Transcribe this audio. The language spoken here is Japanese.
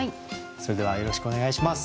それではよろしくお願いします。